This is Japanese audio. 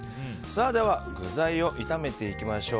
では具材を炒めていきましょう。